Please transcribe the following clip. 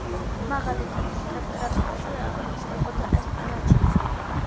მაღალი ტემპერატურები აღინიშნებოდა ესპანეთშიც.